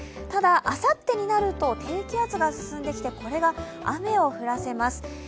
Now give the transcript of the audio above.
ただ、あさってになると低気圧が進んできて、これが雨を降らせます。